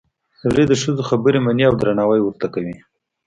سړي د ښځو خبرې مني او درناوی ورته کوي